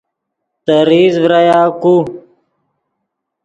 تے ریز ڤرایا کو